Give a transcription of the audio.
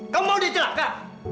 kamu mau dia celaka